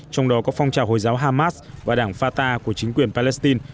trong đó có phong trào hồi giáo hamas và đảng fatah của chính quyền palestine